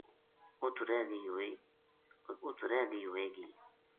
اُت رہ گئی ہووے گی